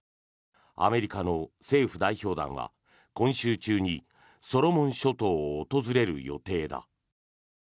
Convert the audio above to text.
アメリカの政府代表団が今週中にソロモン諸島を訪れる予定だ。